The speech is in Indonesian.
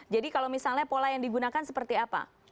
jadi kalau misalnya pola yang digunakan seperti apa